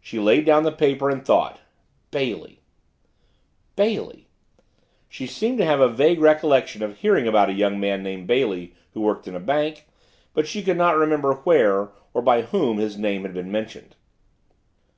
She laid down the paper and thought Bailey Bailey she seemed to have a vague recollection of hearing about a young man named Bailey who worked in a bank but she could not remember where or by whom his name had been mentioned.